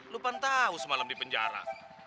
lu pantau semalam di penjara